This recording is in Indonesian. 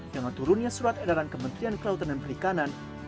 dengan turunnya surat edaran kementerian kelautan dan perikanan